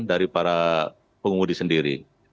dari para pengumudi sendiri